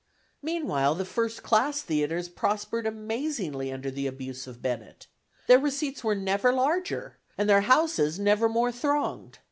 Meanwhile, the first class theatres prospered amazingly under the abuse of Bennett. Their receipts were never larger, and their houses, never more thronged.